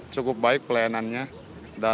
cukup baik pelayanannya